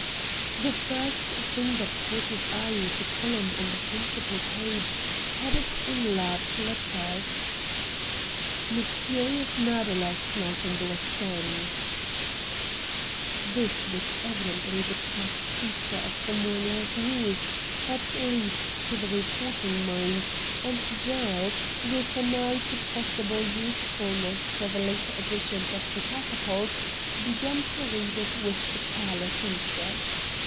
The first thing that caught his eye was a column on the principal page headed in large letters :— 'MYSTERIOUS MURDER LAST NIGHT IN THE WEST END !' 1 66 RED DIAMONDS This was evidently the chief feature of the morning's news, at least to the reporting mind ; and Gerald, with an eye to possible usefulness for the later editions of the ' Catapult,' began to read it with a careless interest.